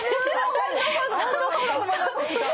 本当そうだと思います。